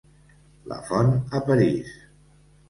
Lafont a París.